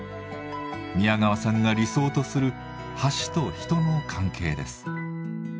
宮川さんが理想とする橋と人の関係です。